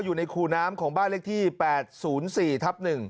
อยู่ในคูน้ำของบ้านเลขที่๘๐๔ทับ๑